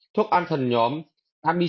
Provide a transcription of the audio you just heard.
thuốc an thần nhóm amici pitrin